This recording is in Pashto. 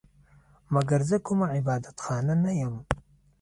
مګر زه کومه عبادت خانه نه یم